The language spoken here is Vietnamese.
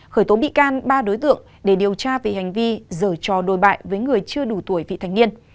khởi tố bị can ba đối tượng để điều tra về hành vi rửa cho đôi bại với người chưa đủ tuổi vị thành niên